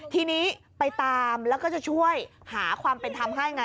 ทีนี้ไปตามแล้วก็จะช่วยหาความเป็นธรรมให้ไง